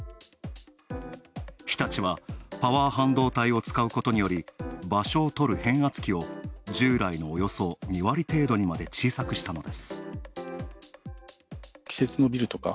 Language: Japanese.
日立はパワー半導体を使うことにより、場所をとる変圧器を従来のおよそ２割程度にまで減らしたのです。